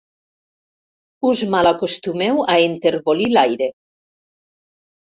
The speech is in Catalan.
Us malacostumeu a enterbolir l'aire.